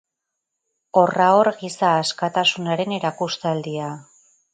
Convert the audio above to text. Horra hor giza askatasunaren erakustaldia.